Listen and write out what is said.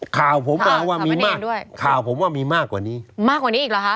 ข่าวผมบอกว่ามีมากด้วยข่าวผมว่ามีมากกว่านี้มากกว่านี้อีกเหรอคะ